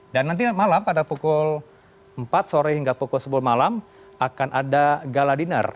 dan nanti malam pada pukul empat sore hingga pukul sepuluh malam akan ada galadinar